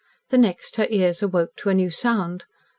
The next, her ears awoke to a new sound.